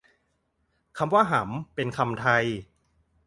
คำว่า หำ เป็นคำไท